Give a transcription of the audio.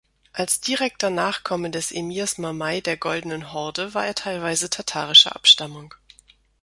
Als direkter Nachkomme des Emirs Mamai der Goldenen Horde war er teilweise tatarischer Abstammung.